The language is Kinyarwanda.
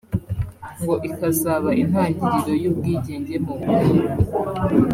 ngo ikazaba intangiriro y’ubwigenge mu bukungu